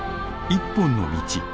「一本の道」。